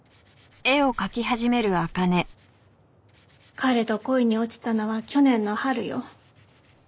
彼と恋に落ちたのは去年の春よ。